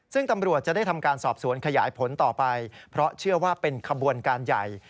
ซึ่งตำรวจจะได้ทำการสอบสวนขยายผลต่อไปเพราะเชื่อว่าเป็นขบวนการใหญ่